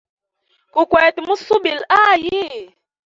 Gukwete musubila hayi.